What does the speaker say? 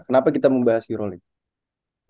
kenapa kita membahas euroleague